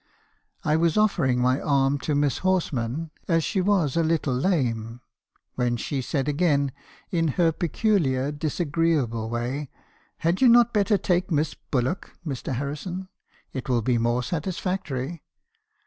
I was offering my arm to Miss Horsman, as she was a little lame, when she said again, in her peculiar disagreeable way, 'Had you not better take Miss Bullock, Mr. Harrison? It will be more satisfactory.'